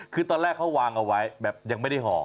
คือตอนแรกเขาวางเอาไว้แบบยังไม่ได้ห่อ